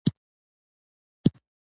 ګانده کې عالمانو اجتهاد کې پاتې کېږي.